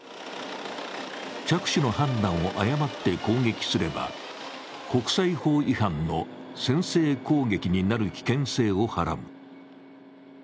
着手の判断を誤って攻撃すれば、国際法違反の先制攻撃になる危険性をはらむ。